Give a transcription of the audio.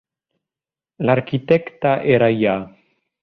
L'arquitecte era Ya.